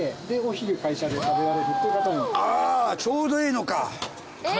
あちょうどいいのか。